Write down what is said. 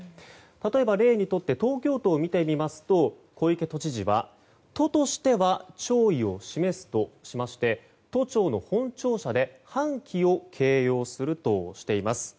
例えば、例にとって東京都を見てみますと小池都知事は都としては弔意を示すとしまして都庁の本庁舎で半旗を掲揚するとしています。